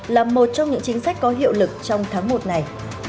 là một trong những chính sách có hiệu lực trong tháng một này